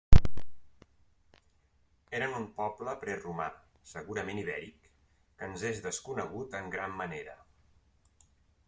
Eren un poble preromà, segurament ibèric, que ens és desconegut en gran manera.